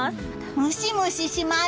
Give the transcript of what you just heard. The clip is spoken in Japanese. ムシムシします！